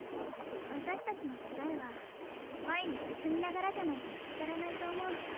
私たちの答えは前に進みながらじゃないと見つからないと思う。